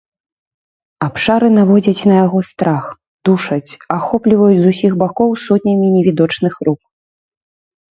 Абшары наводзяць на яго страх, душаць, ахопліваюць з усіх бакоў сотнямі невідочных рук.